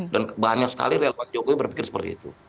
dan banyak sekali relak pak jokowi berpikir seperti itu